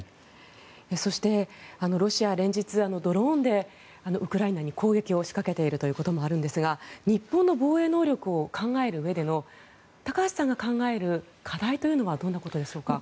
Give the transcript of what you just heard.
そしてロシア連日、ドローンでウクライナに攻撃を仕掛けているということもあるんですが日本の防衛能力を考えるうえでの高橋さんが考える課題というのはどんなことでしょうか。